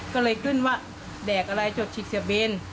ก็เลยขึ้นว่าแดกอะไรจดชิดเสียเบน